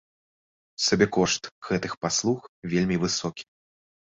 Сабекошт гэтых паслуг вельмі высокі.